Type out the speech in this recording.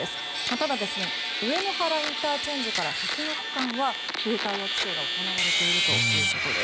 ただ、上野原ＩＣから先の区間は、冬タイヤ規制が行われているということです。